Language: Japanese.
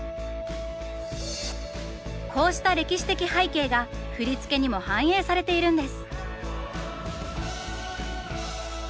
こうした歴史的背景が振り付けにも反映されているんです。